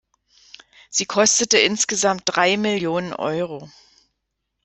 Sie kostete insgesamt drei Millionen Euro.